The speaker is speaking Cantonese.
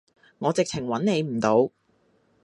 我直情揾你唔到